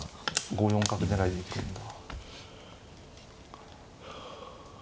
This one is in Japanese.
５四角狙いで行くんだ。